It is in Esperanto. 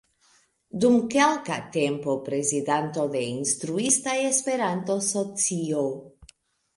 Dum kelka tempo prezidanto de Instruista Esperanto-Socio.